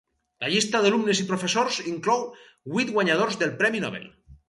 La llista d'alumnes i professors inclou vuit guanyadors del Premi Nobel.